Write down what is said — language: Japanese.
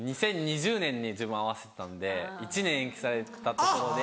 ２０２０年に自分合わせてたんで１年延期されたところで。